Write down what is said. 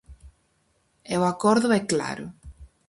E o acordo é claro.